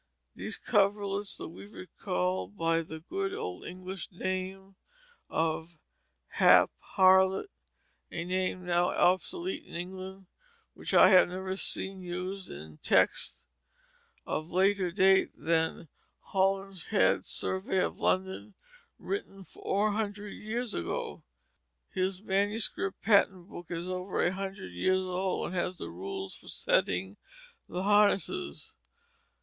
These coverlets the weaver calls by the good old English name of hap harlot, a name now obsolete in England, which I have never seen used in text of later date than Holinshead's Survey of London, written four hundred years ago. His manuscript pattern book is over a hundred years old, and has the rules for setting the harnesses.